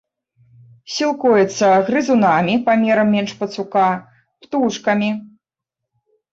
Сілкуецца грызунамі памерам менш пацука, птушкамі.